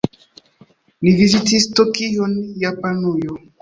Ni vizitis Tokion, Japanujo.